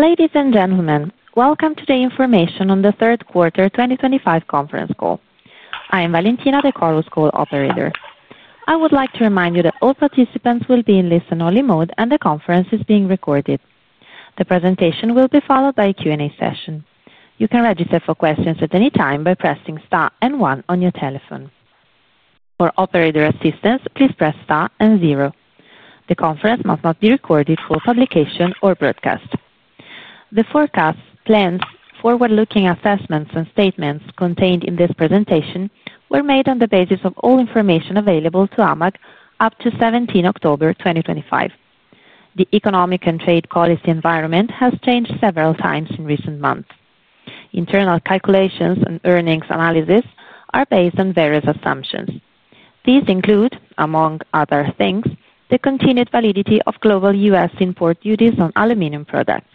Ladies and gentlemen, welcome to the information on the Third Quarter 2025 Conference Call. I am Valentina de Carlos, call operator. I would like to remind you that all participants will be in listen only mode and the conference is being recorded. The presentation will be followed by a Q&A session. You can register for questions at any time by pressing star and one on your telephone. For operator assistance, please press star and zero. The conference must not be recorded for publication or broadcast. The forecasts, plans, forward looking assessments and statements contained in this presentation were made on the basis of all information available to AMAG up to 17th October 2025. The economic and trade policy environment has changed several times in recent months. Internal calculations and earnings analysis are based on various assumptions. These include, among other things, the continued validity of global U.S. import duties on aluminium products.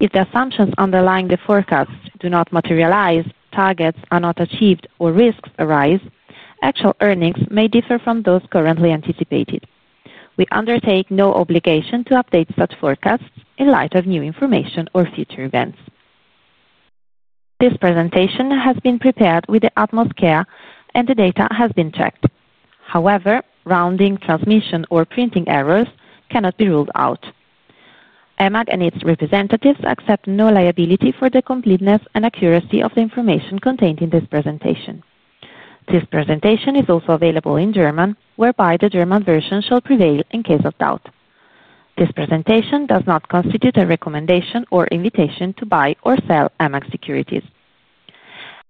If the assumptions underlying the forecasts do not materialize, targets are not achieved or risks arise, actual earnings may differ from those currently anticipated. We undertake no obligation to update such forecasts in light of new information or future events. This presentation has been prepared with the utmost care and the data has been tracked. However, rounding, transmission or printing errors cannot be ruled out. AMAG and its representatives accept no liability for the completeness and accuracy of the information contained in this presentation. This presentation is also available in German, whereby the German version shall prevail in case of doubt. This presentation does not constitute a recommendation or invitation to buy or sell AMAG securities.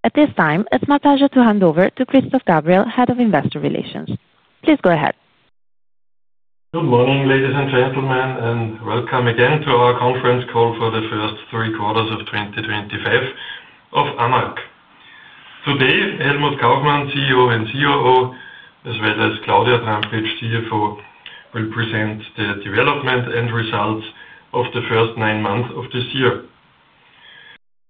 At this time, it's my pleasure to hand over to Christoph Gabriel, Head of Investor Relations. Please go ahead. Good morning, ladies and gentlemen, and welcome again to our conference call for the first three quarters of 2025 of AMAG. Today, Helmut Kaufmann, CEO and COO, as well as Claudia Trampitsch, CFO, will present the development and results of the first 9 months of this year.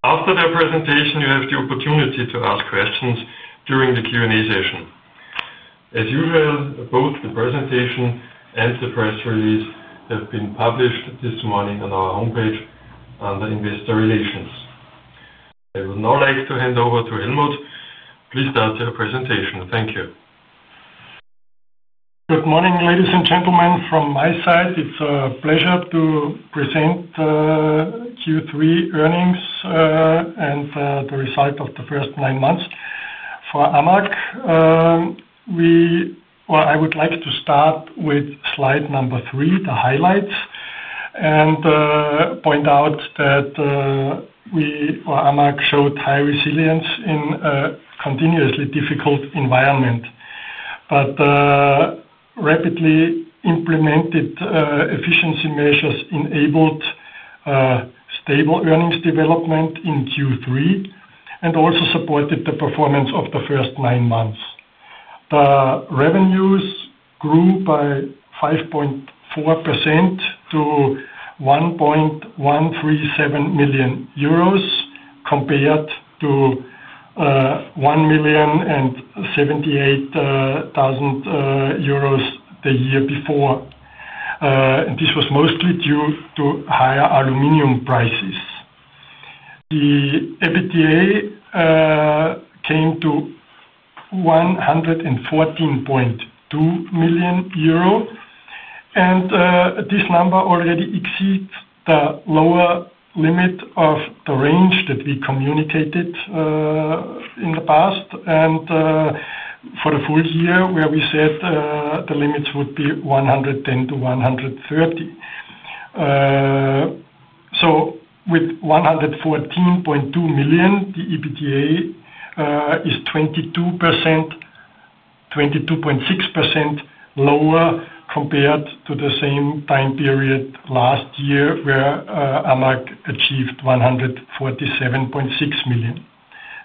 After the presentation, you have the opportunity to ask questions during the Q&A session. As usual, both the presentation and the press release have been published this morning on our homepage under Investor Relations. I would now like to hand over to Helmut. Please start your presentation. Thank you. Good morning, ladies and gentlemen, from my side, it's a pleasure to present Q3 earnings, the result of the first 9 months for AMAG. I would like to start with slide number three, the highlights, and point out that AMAG showed high resilience in a continuously difficult environment. Rapidly implemented efficiency measures enabled stable earnings development in Q3 and also supported the performance of the first 9 months. The revenues grew by 5.4% to 1.137 million euros compared to 1.078 million the year before. This was mostly due to higher aluminium prices. The EBITDA came to 114.2 million euro and this number already exceeds the lower limit of the range that we communicated in the past. For the full year, where we said the limits would be 100 million-130 million, with 114.2 million the EBITDA is 22.6% lower compared to the same time period last year where AMAG achieved 147.6 million.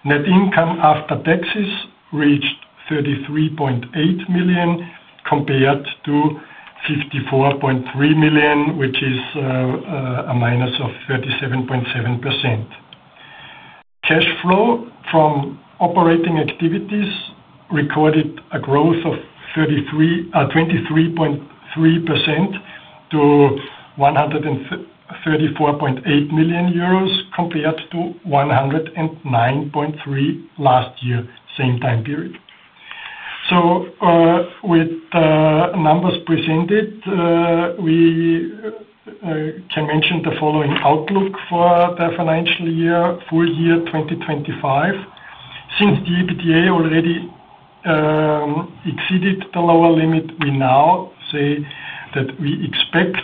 Net income after taxes reached 33.8 million compared to 54.3 million, which is a minus of 37.7%. Cash flow from operating activities recorded a growth of 23.3% to 134.8 million euros compared to 109.3 million last year same time period. With numbers presented, we can mention the following outlook for the financial year full year 2025. Since the EBITDA already exceeded the lower limit, we now say that we expect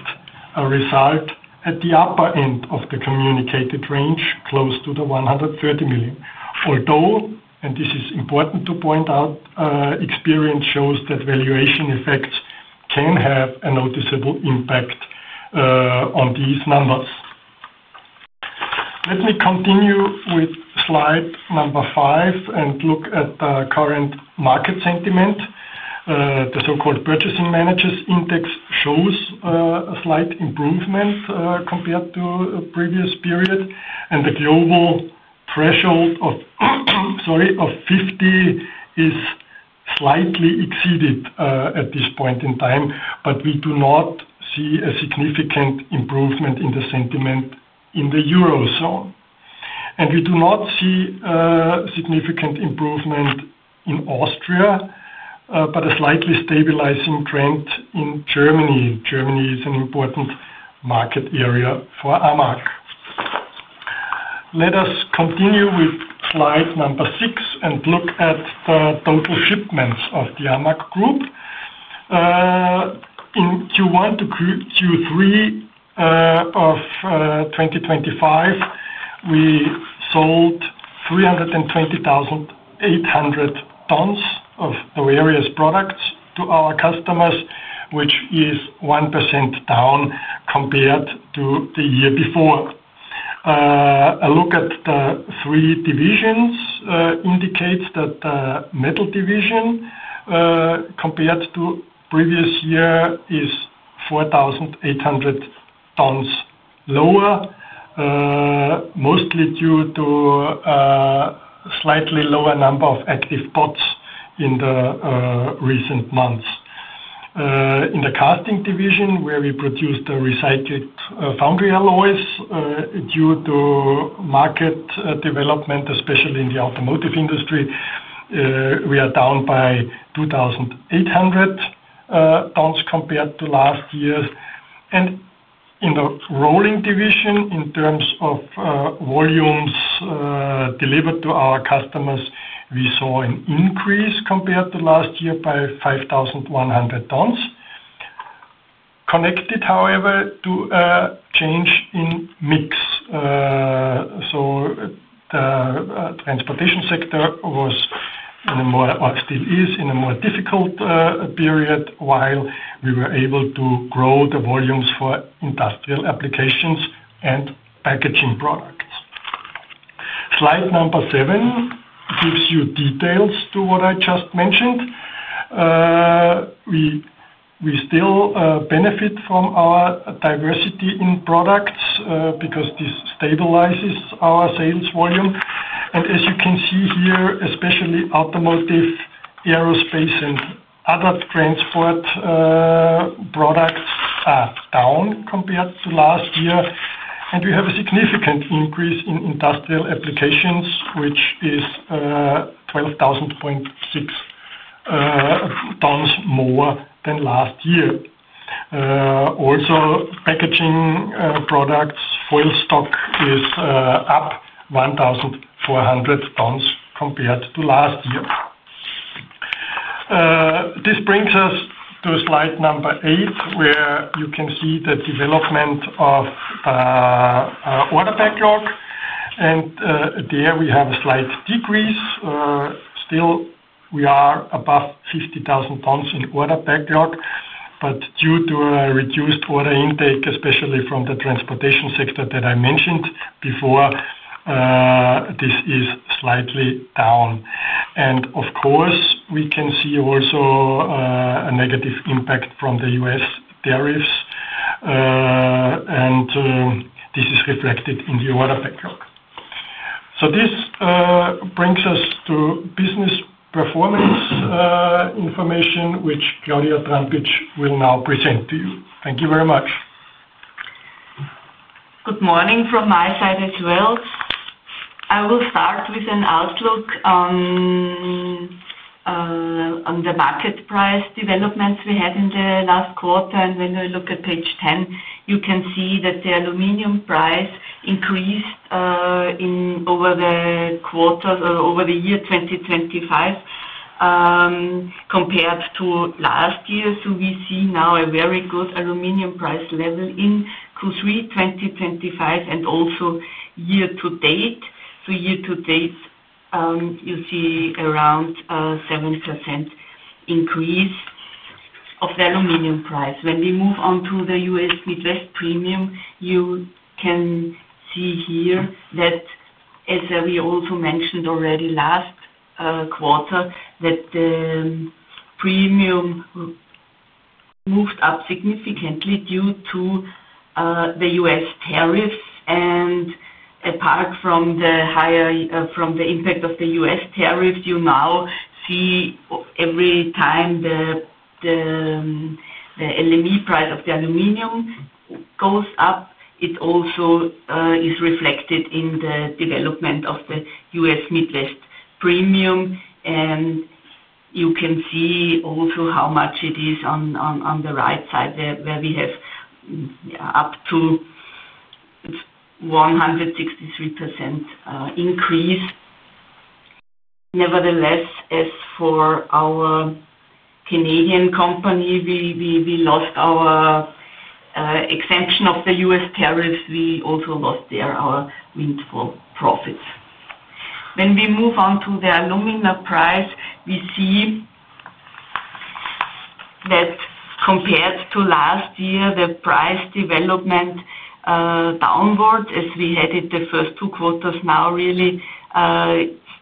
a result at the upper end of the communicated range close to the 130 million. Although, and this is important to point out, experience shows that valuation effects can have a noticeable impact on these numbers. Let me continue with slide number five and look at the current market sentiment. The so-called Purchasing Managers Index shows a slight improvement compared to previous period and the global threshold of 50 is slightly exceeded at this point in time. We do not see a significant improvement in the sentiment in the Eurozone and we do not see significant improvement in Austria, but a slightly stabilizing trend in Germany. Germany is an important market area for AMAG. Let us continue with slide number six and look at the total shipments of the AMAG Group. In Q1 to Q3 of 2025, we sold 320,800 tons of various products to our customers, which is 1% down compared to the year before. A look at the three divisions indicates that the metal division compared to previous year is 4,800 tons lower, mostly due to slightly lower number of active pots in the recent months. In the casting division where we produced recycled cast alloys due to market development, especially in the automotive industry, we are down by 2,800 tonnes compared to last year. In the rolling division, in terms of volumes delivered to our customers, we saw an increase compared to last year by 5,100 tonnes, connected however to a change in mix. The transportation sector still is in a more difficult period, while we were able to grow the volumes for industrial applications and packaging products. Slide number seven gives you details to what I just mentioned. We still benefit from our diversity in products because this stabilizes our sales volume, and as you can see here, especially automotive, aerospace, and other transport products are down compared to last year, and we have a significant increase in industrial applications, which is [12,000.6 tonnes] more than last year. Also, packaging products, foil stock is up 1,400 tonnes compared to last year. This brings us to slide number eight where you can see the development of order backlog, and there we have a slight decrease. Still, we are above 50,000 tonnes in order backlog, but due to a reduced order intake, especially from the transportation sector that I mentioned before, this is slightly down, and of course we can see also a negative impact from the U.S. tariffs, and this is reflected in the order backlog. This brings us to business performance information, which Claudia Trampitsch will now present to you. Thank you very much. Good morning. From my side as well, I will start with an outlook on the market price developments we had in the last quarter. When we look at page 10, you can see that the aluminium price increased over the quarter, over the year 2025 compared to last year. We see now a very good aluminium price level in Q3 2025 and also year-to-date. Year-to-date, you see around 7% increase of the aluminium price. When we move on to the U.S. Midwest premium, you can see here that as we also mentioned already last quarter, the premium moved up significantly due to the U.S. tariffs and apart from the impact of the U.S. tariffs, you now see every time the LME price of the aluminium goes up, it also is reflected in the development of the U.S. Midwest premium. You can see also how much it is on the right side where we have up to 163% increase. Nevertheless, as for our Canadian company, we lost our exemption of the U.S. tariffs. We also lost there our windfall profits. When we move on to the alumina price, we see that compared to last year, the price development downwards as we headed the first two quarters now really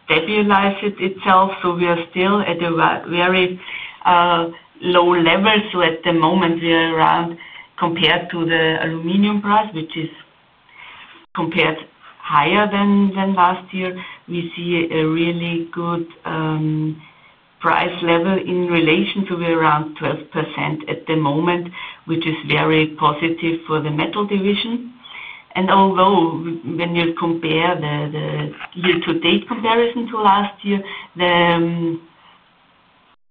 stabilized itself. We are still at a very low level. At the moment, we are around, compared to the aluminium price which is higher than last year, we see a really good price level in relation to around 12% at the moment, which is very positive for the metal division. Although when you compare the year-to-date comparison to last year, the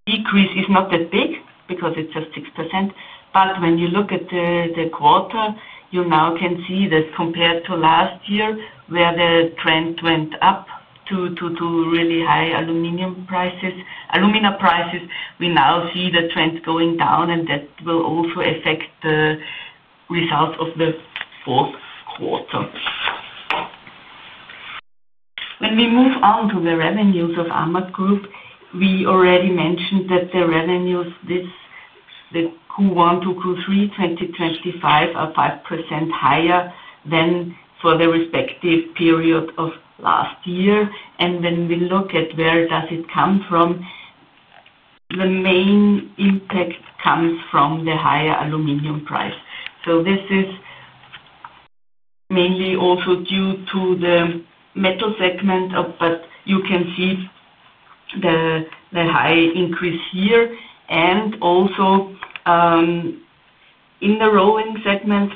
decrease is not that big because it's just 6%. When you look at the quarter, you now can see that compared to last year where the trend went up due to really high aluminium prices, alumina prices. We now see the trend going down and that will also affect the results of the fourth quarter. When we move on to the revenues of AMAG Group, we already mentioned that the revenues this Q1 to Q3 2025 are 5% higher than for the respective period of last year. When we look at where does it come from, the main impact comes from the higher aluminium price. This is mainly also due to the metal segment. You can see the high increase here and also in the rolling segments.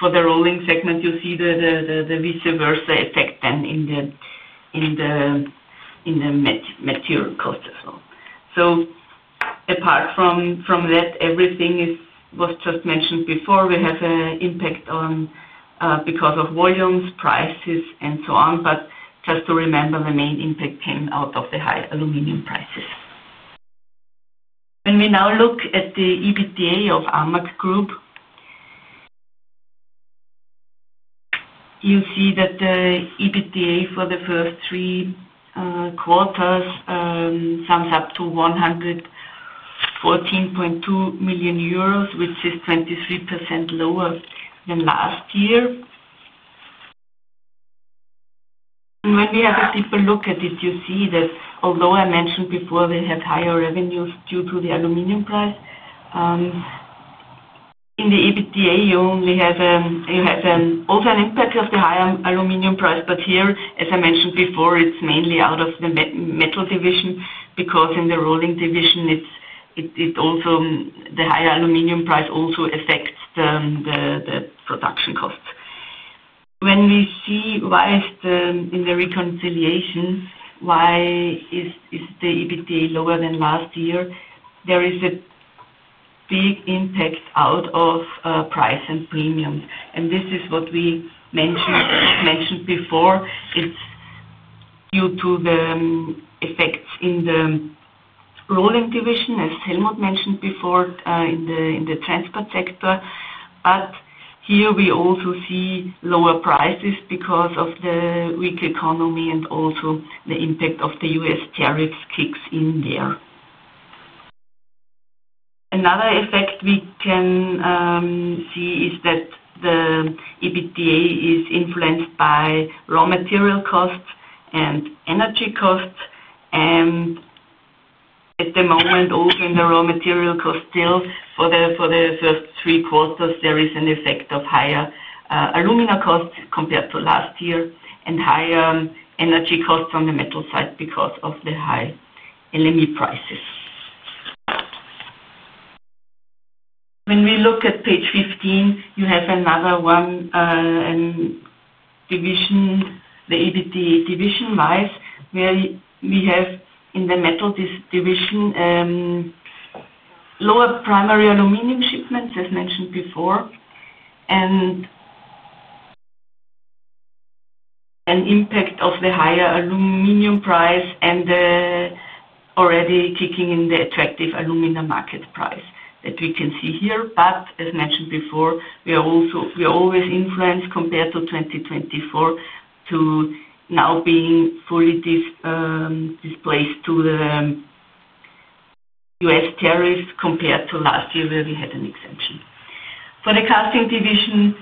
For the rolling segment, you see the vice versa effect then in the mature cost as well. Apart from that, everything was just mentioned before. We have an impact on because of volumes, prices, and so on. Just to remember, the main impact came out of the high aluminium prices. When we now look at the EBITDA of AMAG Group, you see that the EBITDA for the first three quarters sums up to 114.2 million euros, which is 23% lower than last year. When we have a deeper look at it, you see that although I mentioned before they had higher revenues due to the aluminium price. In the EBITDA you only have an impact of the higher aluminium price. Here, as I mentioned before, it's mainly out of the metal division because in the rolling division, the higher aluminium price also affects the production cost. When we see in the reconciliation why the EBITDA is lower than last year, there is a big impact out of price and premiums. This is what we mentioned before. It's due to the effects in the rolling division, as Helmut mentioned before in the transport sector. Here we also see lower prices because of the weak economy. Also, the impact of the U.S. tariffs kicks in there. Another effect we can see is that the EBITDA is influenced by raw material costs, energy costs, and at the moment also in the raw material cost. Still, for the first three quarters there is an effect of higher alumina costs compared to last year and higher energy costs on the metal side because of the high LME prices. When we look at page 15, you have another one division, the EBITDA division wise, where we have in the metal division lower primary aluminium shipments as mentioned before and an impact of the higher aluminium price and already kicking in the attractive aluminium market price that we can see here. As mentioned before, we are always influenced compared to 2024 to now being fully displaced to the U.S. tariffs. Compared to last year where we had an exemption for the casting division,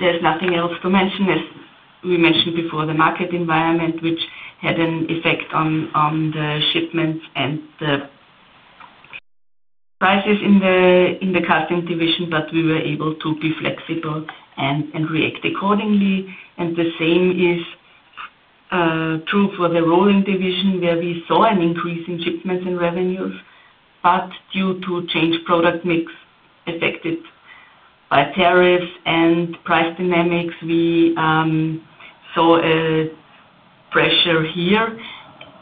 there's nothing else to mention, as we mentioned before, the market environment which had an effect on the shipments and the prices in the casting division, but we were able to be flexible and react accordingly. The same is true for the rolling division, where we saw an increase in shipments and revenues, but due to change product mix affected by tariffs and price dynamics, we saw a pressure here,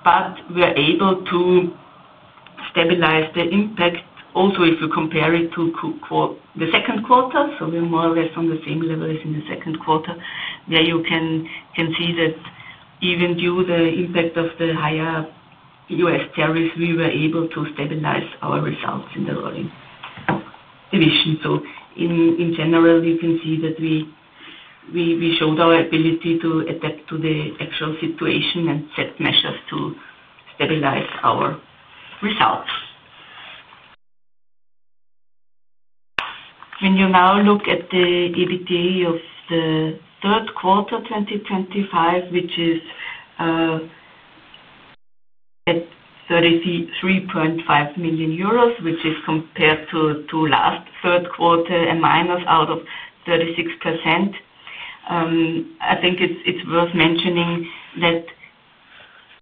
but we are able to stabilize the impact also if you compare it to the second quarter. We are more or less on the same level as in the second quarter, where you can see that even due to the impact of the higher U.S. tariffs, we were able to stabilize our results in the rolling division. In general you can see that we showed our ability to adapt to the actual situation and set measures to stabilize our results. When you now look at the EBITDA of the third quarter 2025, which is at 33.5 million euros, which is compared to last third quarter a minus out of 36%. I think it's worth mentioning that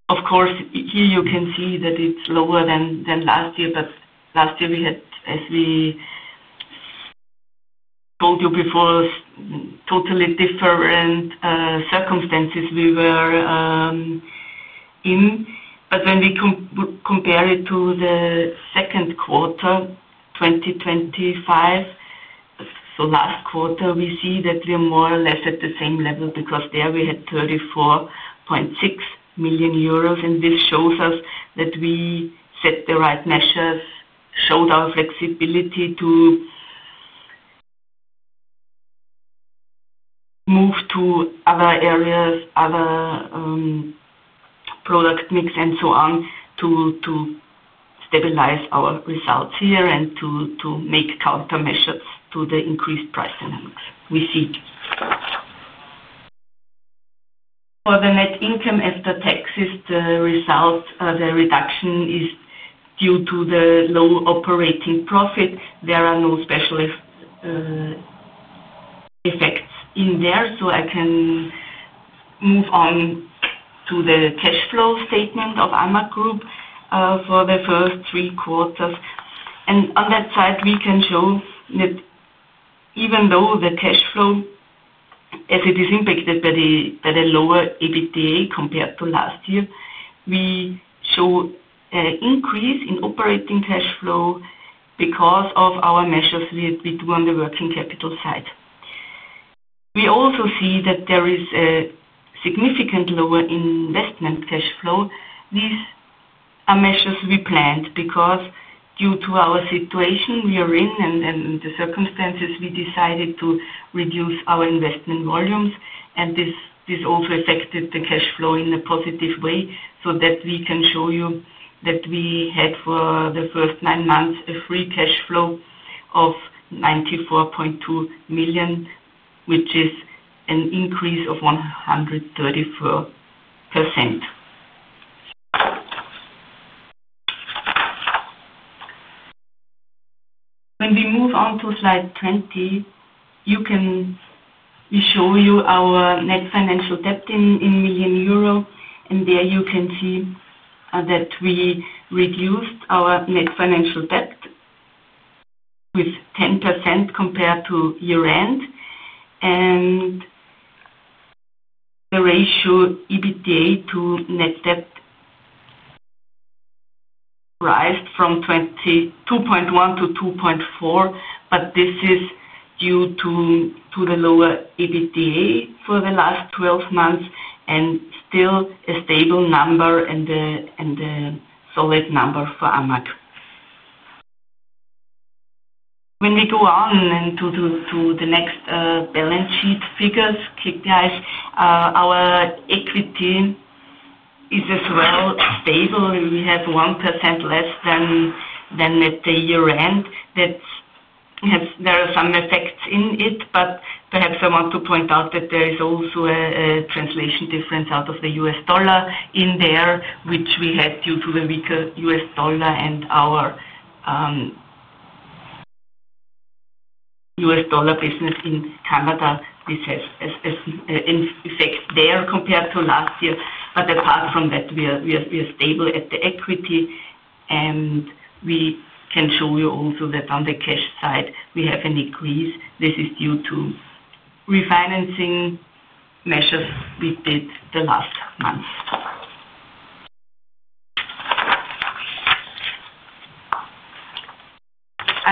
of course here you can see that it's lower than last year. Last year we had, as we told you before, totally different circumstances we were in. When we compare it to the second quarter 2025, so last quarter, we see that we are more or less at the same level, because there we had 34.6 million euros. This shows us that we set the right measures, showed our flexibility to move to other areas, other product mix and so on, to stabilize our results here and to make countermeasures to the increased price dynamics we see. For the net income after taxes, the result, the reduction is due to the low operating profit. There are no special effects in there. I can move on to the cash flow statement of AMAG Group for the first three quarters. On that side we can show that even though the cash flow as it is impacted by the lower EBITDA compared to last year, we show increase in operating cash flow because of our measures we do on the working capital side. We also see that there is a significantly lower investment cash flow. These are measures we planned because due to our situation we are in and the circumstances, we decided to reduce our investment volumes and this also affected the cash flow in a positive way. We can show you that we had for the first 9 months a free cash flow of 94.2 million, which is an increase of 134%. When we move on to slide 20, you can show you our net financial debt in million euro. There you can see that we reduced our net financial debt with 10% compared to year end. The ratio EBITDA to net debt rose from 2.1-2.4. This is due to the lower EBITDA for the last 12 months and still a stable number and a solid number for AMAG. When we go on to the next balance sheet figures, our equity is as well stable. We have 1% less than at the year end. There are some effects in it. Perhaps I want to point out that there is also a translation difference out of the U.S. dollar in there which we had due to the weaker U.S. dollar and our U.S. dollar business in Canada. This has effect there compared to last year. But [AP] that we are stable at the equity. We can show you also that on the cash side we have an increase. This is due to refinancing measures we did the last month.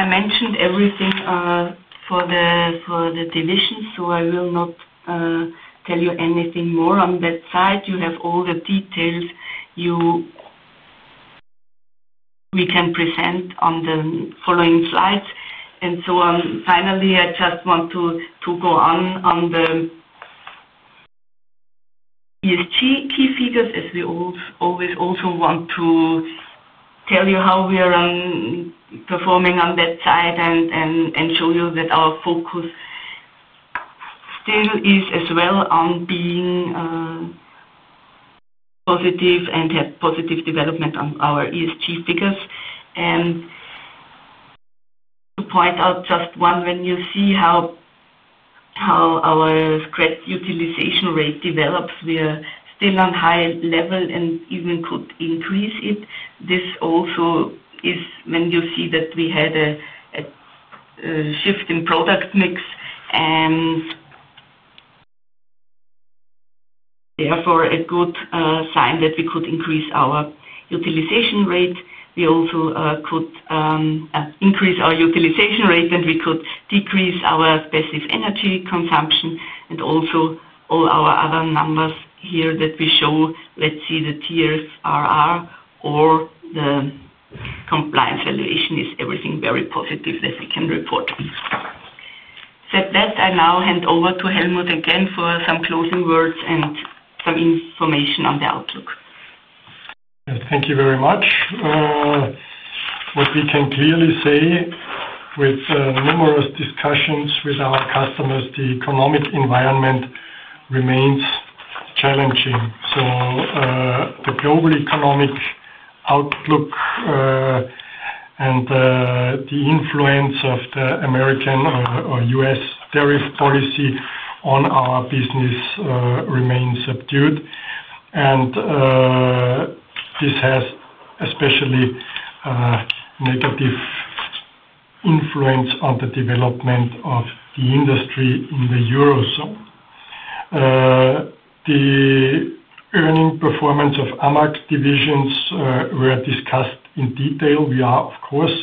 I mentioned everything for the division, so I will not tell you anything more on that side. You have all the details we can present on the following slides. Finally, I just want to go on the ESG key figures as we always also want to tell you how we are performing on that side and show you that our focus still is as well on being positive and have positive development on our ESG figures. To point out just one, when you see how our scrap utilization rate develops, we are still on high level and even could increase it. This also is when you see that we had a shift in product mix and therefore a good sign that we could increase our utilization rate. We also could increase our utilization rate and we could decrease our passive energy consumption. Also, all our other numbers here that we show, let's see the tier RR or the compliance valuation is everything very positive that we can report. Said that, I now hand over to Helmut again for some closing words and some information on the outlook. Thank you very much. What we can clearly say with numerous discussions with our customers, the economic environment remains challenging. The global economic outlook and the influence of the American or U.S. tariff policy on our business remains subdued. This has especially negative influence on the development of the industry in the Eurozone. The earning performance of AMAG divisions were discussed in detail. We are of course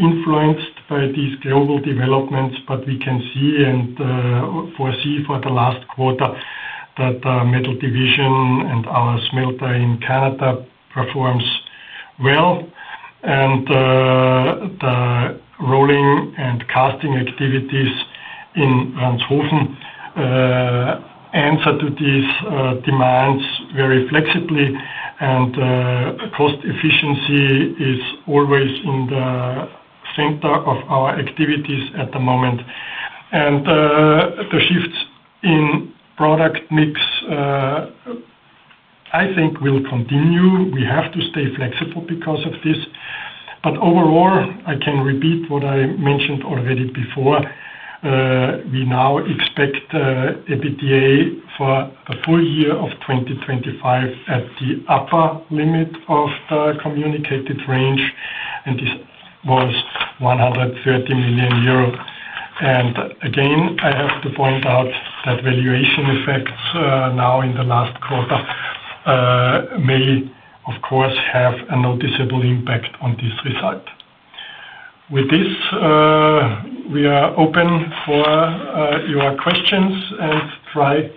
influenced by these global developments. We can see and foresee for the last quarter that metal division and our smelter in Canada performs well. The rolling and casting activities in Ranshofen answer to these demands very flexibly. Cost efficiency is always in the center of our activities at the moment. The shifts in product mix I think will continue. We have to stay flexible because of this. Overall I can repeat what I mentioned already before. We now expect EBITDA for the full year of 2025 at the upper limit of the communicated range. This was 130 million euro. Again, I have to point out that valuation effects now in the last quarter may of course have a noticeable impact on this result. With this we are open for your questions and try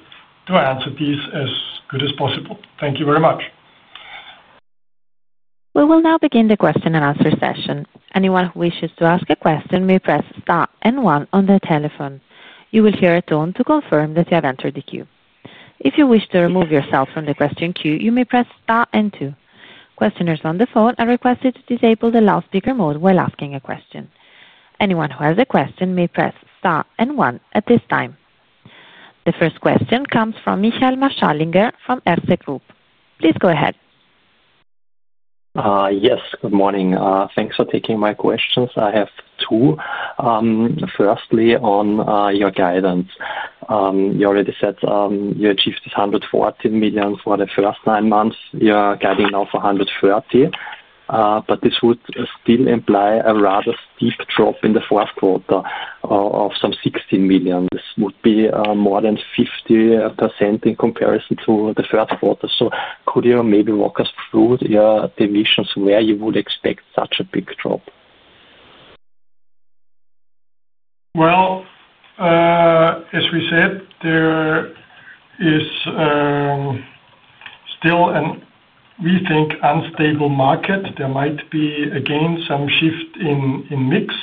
to answer these as good as possible. Thank you very much. We will now begin the question and answer session. Anyone who wishes to ask a question may press star and one on their telephone. You will hear a tone to confirm that you have entered the queue. If you wish to remove yourself from the question queue, you may press. Questioners on the phone are requested to disable the loudspeaker mode while asking a question. Anyone who has a question may press star and one at this time. The first question comes from Michael Marschallinger from Erste Group. Please go ahead. Yes, good morning. Thanks for taking my questions. I have two. Firstly, on your guidance, you already said you achieved 140 million for the first 9 months. You are guiding off 130 million. This would still imply a rather steep drop in the fourth quarter of some 16 million. This would be more than 50% in comparison to the first quarter. Could you maybe walk us through the emissions where you would expect such a big drop? As we said, there is still, and we think, an unstable market. There might be again some shift in mix,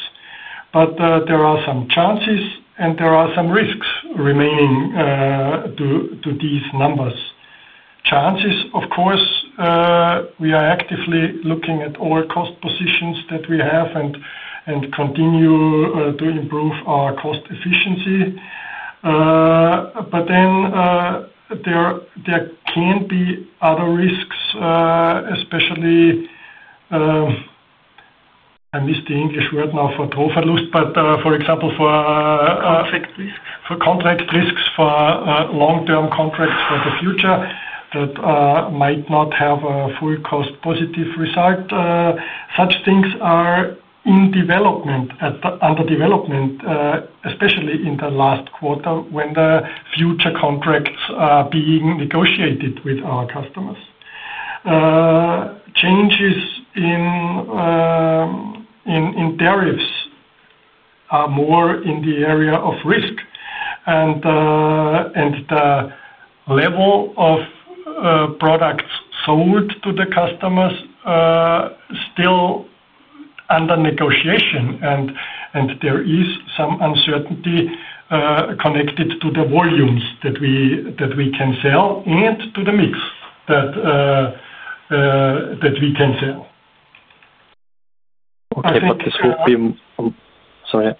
but there are some chances and there are some risks remaining due to these numbers. Chances, of course, we are actively looking at all cost positions that we have and continue to improve our cost efficiency. There can be other risks, especially, I missed the English word now for trofalust, but for example, for contract risks for long-term contracts for the future that might not have a full cost positive result. Such things are in development, under development, especially in the last quarter when the future contracts are being negotiated with our customers. Changes in tariffs are more in the area of risk. Is the level of products sold to the customers still under negotiation? There is some uncertainty connected to the volumes that we can sell and to the mix that we can sell. Okay, sorry.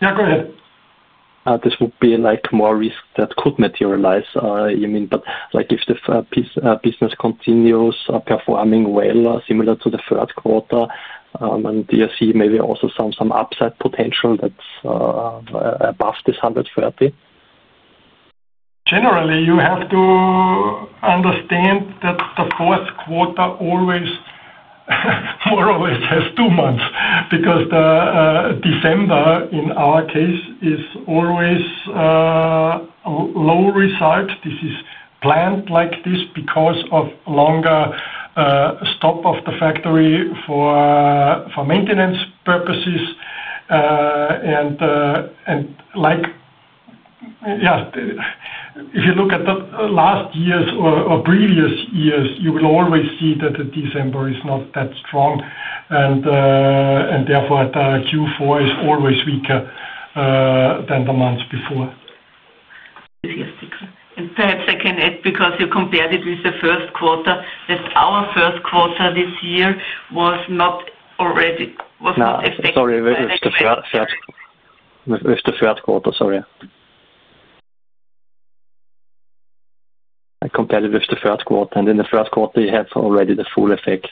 Yeah, go ahead. This would be more risk that could materialize, you mean, if the business continues performing well, similar to the third quarter. Do you see maybe also some upside potential that's above this 130. Generally, you have to understand that the fourth quarter always more or less has 2 months because the defender in our case is always low result. This is planned like this because of longer stop of the factory for maintenance purposes. If you look at the last years or previous years, you will always see that these amounts is not that strong. Therefore, Q4 is always weaker than the month before. Perhaps I can add, because you compared it with the first quarter, that our first quarter this year was not already. Sorry. With the third quarter, compared it with the first quarter, and in the first quarter you have already the full effect.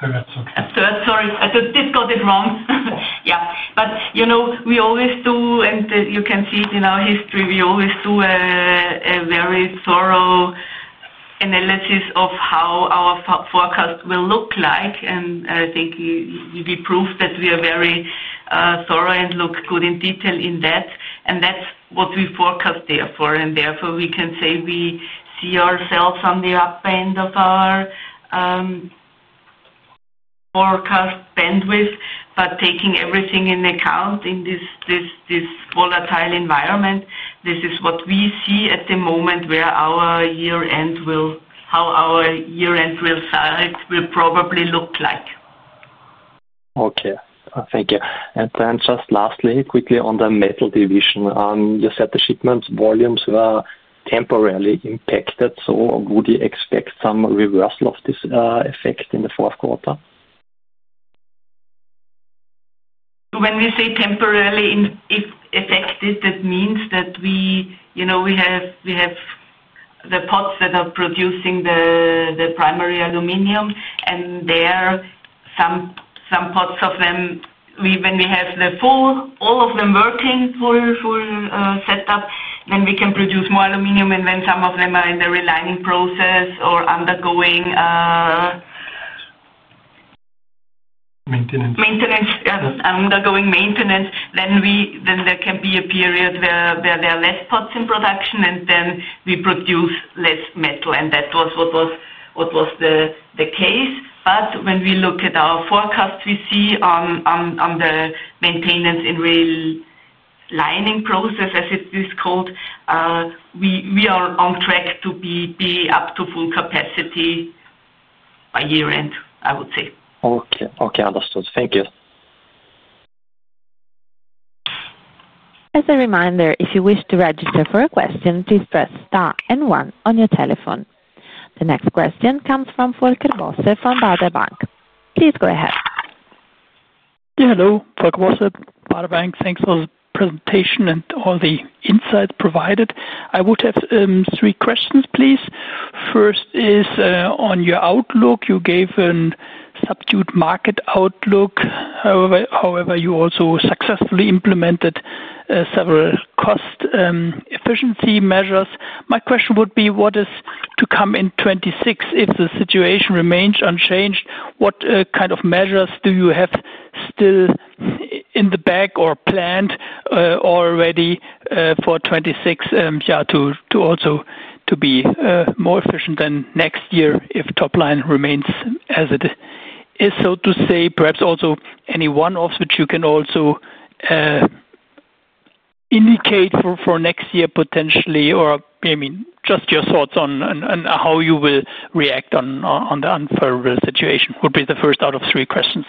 Sorry, I just got it wrong. Yeah, you know, we always do, and you can see it in our history, we always do a very thorough analysis of how our forecast will look like. I think we proved that we are very thorough and look good in detail in that. That's what we forecast. Therefore, we can say we see ourselves on the up end of our forecast bandwidth. Taking everything in account in this volatile environment, this is what we see at the moment where our year end will, how our year end will size will probably look like. Okay, thank you. Lastly, quickly on the metal division, you said the shipments volumes were temporarily impacted. Would you expect some reversal of this effect in the fourth quarter? When we say temporarily affected, that means that we have the pots that are producing the primary aluminium and there are some pots of them. When we have all of them working full setup, then we can produce more aluminium and then some of them are in the relining process or undergoing. Maintenance. Undergoing maintenance. There can be a period where there are less pots in production and we produce less metal. That was what was the case. When we look at our forecast, we see on the maintenance in relining process, as it is called, we are on track to be up to full capacity by year end, I would say. Okay, understood. Thank you. As a reminder, if you wish to register for a question, please press star and one on your telephone. The next question comes from Volker Bosse from Baader Bank. Please go ahead. Hello, Volker Bosse, Baader Bank. Thanks for the presentation and all the insights provided. I would have three questions, please. First is on your outlook. You gave a subdued market outlook. However, you also successfully implemented several cost efficiency measures. My question would be what is to come in 2026 if the situation remains unchanged? What kind of measures do you have still in the back or planned already for 2026 to also be more efficient than next year, if top line remains as it is, so to say. Perhaps also any one-offs which you can also indicate for next year potentially. I mean just your thoughts on how you will react on the unfavorable situation would be the first out of three questions.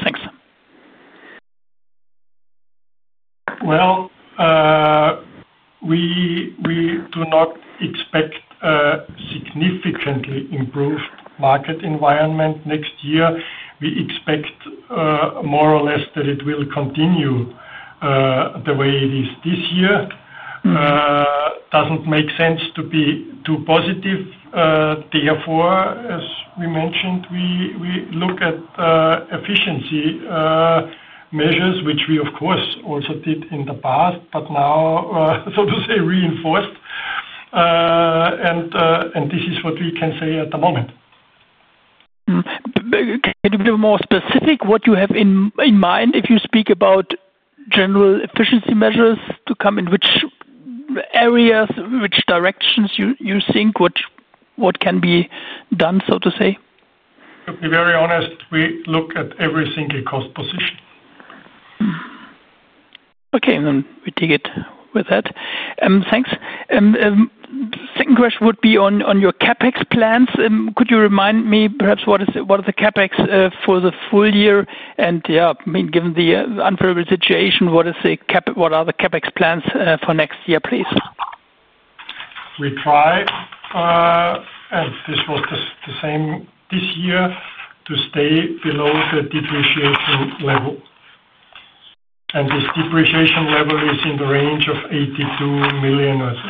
We do not expect a significantly improved market environment next year. We expect more or less that it will continue the way it is this year. It doesn't make sense to be too positive. Therefore, as we mentioned, we look at efficiency measures, which we of course also did in the past, but now, so to say, reinforced. This is what we can at the moment. Can you be more specific what you have in mind? If you speak about general efficiency measures to come, in which areas, which directions you think, what can be done? To be very honest, we look at every single cost position. Okay, thanks. Second question would be on your CapEx plans. Could you remind me perhaps what is the CapEx for the full year? Given the unfavorable situation, what are the CapEx plans for next year, please? We try, and this was the same this year, to stay below the depreciation level. This depreciation level is in the range of 82 million or so.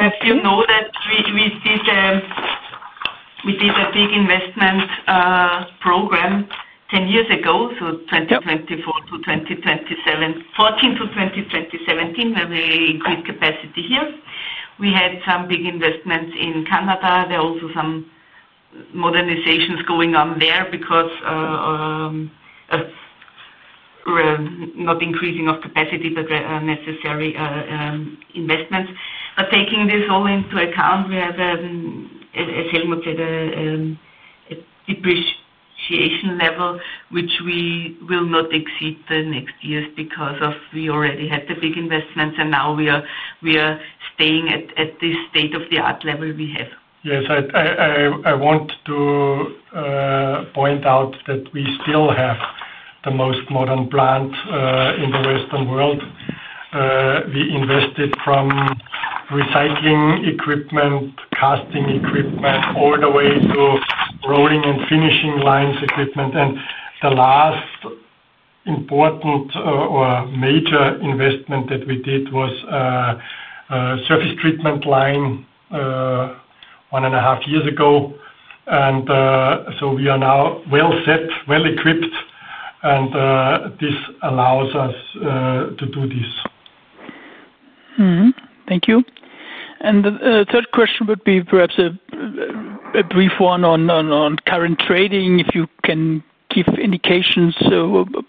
As you know, we did a big investment program 10 years ago. From 2014-2017, we increased capacity here. We had some big investments in Canada. There are also some modernizations going on there, not increasing capacity but necessary investments. Taking this all into account, we have a depreciation level which we will not exceed in the next years because we already had the big investments, and now we are staying at this state-of-the-art level we have. Yes, I want to point out that we still have the most modern plant in the western world. We invested from recycling equipment, casting equipment all the way to rolling and finishing lines equipment. The last important or major investment that we did was surface treatment lines 1.5 years ago. We are now well set, well equipped, and this allows us to do this. Thank you. The third question would be perhaps a brief one on current trading. If you can give indications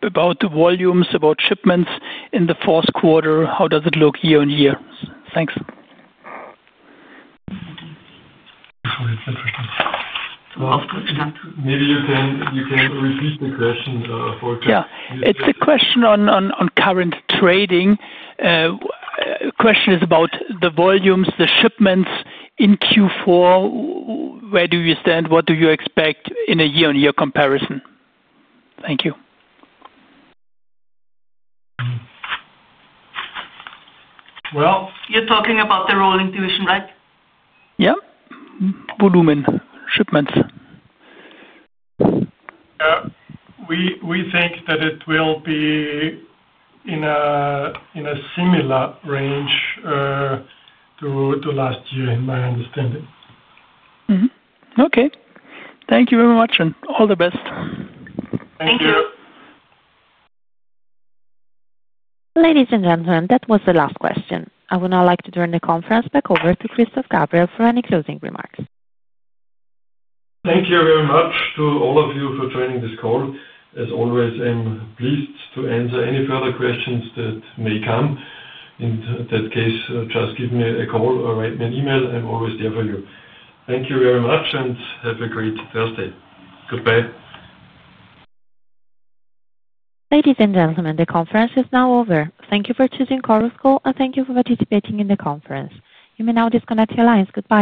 about the volumes, about shipments in the fourth quarter, how does it look year-on-year? Thanks. Maybe you can repeat the question. Yeah, it's a question on current trading. The question is about the volumes, the shipments in Q4. Where do you stand? What do you expect in a year-on-year comparison? Thank you. You're talking about the rolling division, right? Yeah, volume in shipments. We think that it will be in a similar range to last year, in my understanding. Okay, thank you very much and all the best. Thank you. Ladies and gentlemen, that was the last question. I would now like to turn the conference back over to Christoph Gabriel for any closing remarks. Thank you very much to all of you. you for joining this call. As always, I'm pleased to answer any further questions that may come. In that case, just give me a call or write me an email and I'm always there for you. Thank you very much and have a great Thursday. Goodbye. Ladies and gentlemen, the conference is now over. Thank you for choosing Chorus Call and thank you for participating in the conference. You may now disconnect your lines. Goodbye.